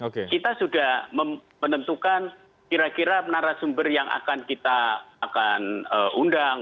kita sudah menentukan kira kira narasumber yang akan kita akan undang